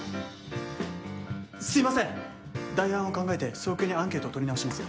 すみません、代案を考えて早急にアンケートを取り直します。